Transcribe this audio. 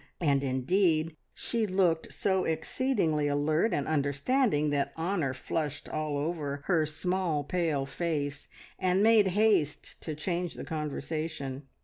And indeed she looked so exceedingly alert and understanding that Honor flushed all over her small, pale face, and made haste to change the conversation.